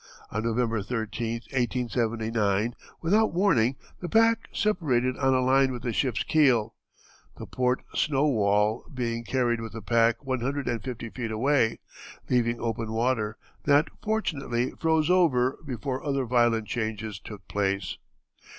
On November 13, 1879, without warning, the pack separated on a line with the ship's keel, the port snow wall being carried with the pack one hundred and fifty feet away, leaving open water, that fortunately froze over before other violent changes took place.